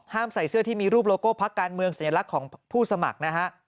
ใส่เสื้อที่มีรูปโลโก้พักการเมืองสัญลักษณ์ของผู้สมัครนะฮะ